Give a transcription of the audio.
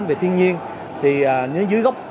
về thiên nhiên thì nó dưới góc